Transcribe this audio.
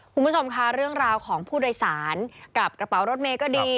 คุณผู้ชมค่ะเรื่องราวของผู้โดยสารกับกระเป๋ารถเมย์ก็ดี